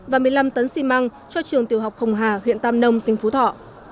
và một mươi năm tấn xi măng cho trường tiểu học hồng hà huyện tam nông tỉnh phú thọ